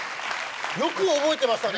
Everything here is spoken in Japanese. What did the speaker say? よく覚えてましたね。